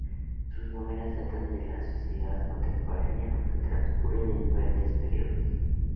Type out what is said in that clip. Sus novelas tratan de la sociedad contemporánea, aunque transcurren en diferentes períodos.